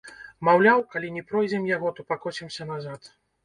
Маўляў, калі не пройдзем яго, то пакоцімся назад.